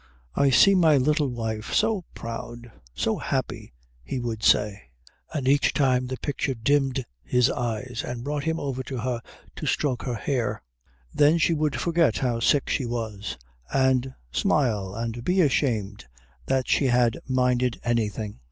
"I see my little wife so proud, so happy," he would say; and each time the picture dimmed his eyes and brought him over to her to stroke her hair. Then she would forget how sick she felt, and smile and be ashamed that she had minded anything.